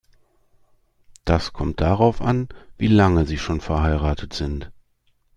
Das kommt darauf an, wie lange Sie schon verheiratet sind.